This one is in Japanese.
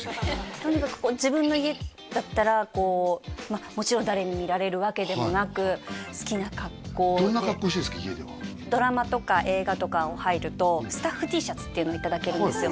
とにかく自分の家だったらこうまあもちろん誰に見られるわけでもなく好きな格好でドラマとか映画とかを入るとスタッフＴシャツっていうのをいただけるんですよ